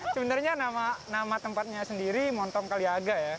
sebenarnya nama tempatnya sendiri montongkaliaga ya